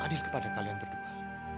tidak adil kepada kalian berdua